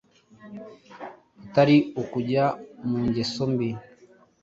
butari ukujya mu ngeso mbi.